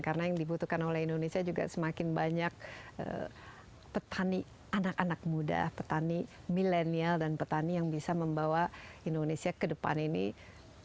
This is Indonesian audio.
karena yang dibutuhkan oleh indonesia juga semakin banyak petani anak anak muda petani milenial dan petani yang bisa membawa indonesia ke depan ini lebih manis